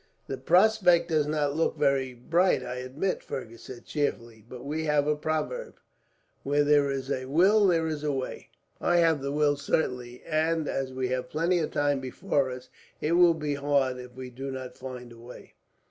"The prospect does not look very bright, I admit," Fergus said cheerfully; "but we have a proverb, 'Where there is a will there is a way'. I have the will certainly and, as we have plenty of time before us, it will be hard if we do not find a way."